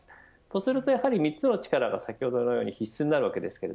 とすると３つの力が先ほどのように必須になります。